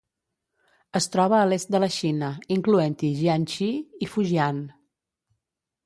Es troba a l'est de la Xina, incloent-hi Jiangxi i Fujian.